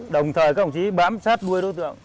đồng thời các ông chí bám sát đuôi đối tượng